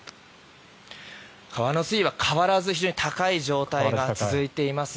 川の水位は変わらず非常に高い状態が続いています。